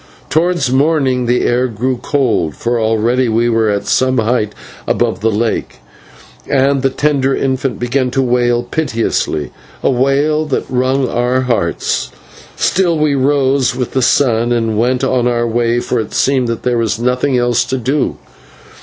Towards morning the air grew cold, for already we were at some height above the lake, and the tender infant began to wail piteously a wail that wrung our hearts. Still we rose with the sun and went on our way, for it seemed that there was nothing else to do.